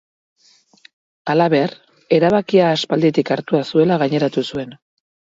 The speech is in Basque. Halaber, erabakia aspalditik hartua zuela gaineratu zuen.